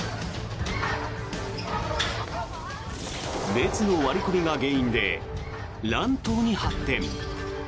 列の割り込みが原因で乱闘に発展。